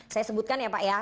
saya sebutkan ya pak ya